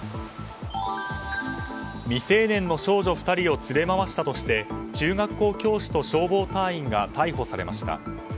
未成年の少女２人を連れまわしたとして中学校教師と消防隊員が逮捕されました。